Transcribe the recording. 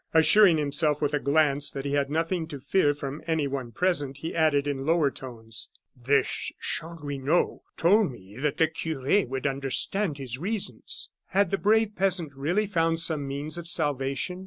Assuring himself, with a glance, that he had nothing to fear from anyone present, he added, in lower tones: "This Chanlouineau told me that the cure would understand his reasons." Had the brave peasant really found some means of salvation?